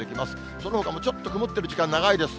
そのほかもちょっと曇ってる時間、長いです。